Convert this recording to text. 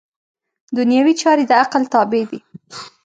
دنیوي چارې د عقل تابع دي.